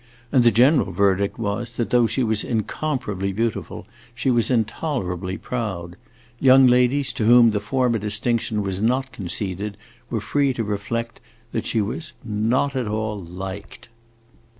And the general verdict was, that though she was incomparably beautiful, she was intolerably proud. Young ladies to whom the former distinction was not conceded were free to reflect that she was "not at all liked."